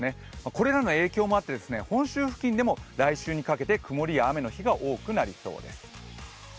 これらの影響もあって、本州付近でも来週にかけて曇りや雨の日が多くなりそうです。